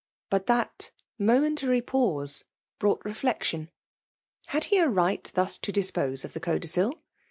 Bat that mo meBtary pftose broi^t refleetten. HtA he a right thas to (JiqpOee of the codicil